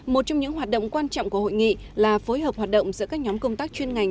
một trong những hoạt động quan trọng của hội nghị là phối hợp hoạt động giữa các nhóm công tác chuyên ngành